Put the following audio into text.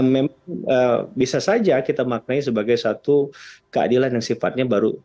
memang bisa saja kita maknai sebagai satu keadilan yang sifatnya baru